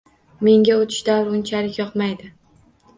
- Menga o'tish davri unchalik yoqmaydi